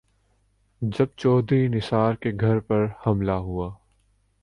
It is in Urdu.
جب چوہدری نثار کے گھر پر حملہ ہوا۔